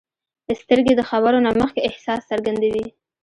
سترګې د خبرو نه مخکې احساس څرګندوي